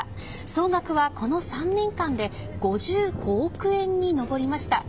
総額は、この３年間で５５億円に上りました。